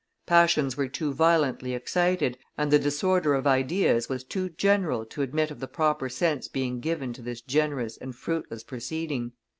Passions were too violently excited, and the disorder of ideas was too general to admit of the proper sense being given to this generous and fruitless proceeding.